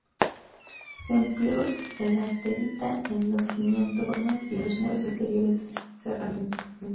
Se empleó laterita en los cimientos, plataformas y en los muros exteriores de cerramiento.